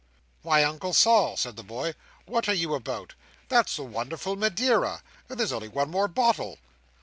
"Why, Uncle Sol!" said the boy, "what are you about? that's the wonderful Madeira!—there's only one more bottle!"